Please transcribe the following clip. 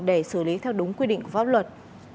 để xử lý theo đúng quy định của pháp luật